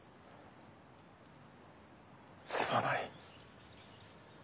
すまない。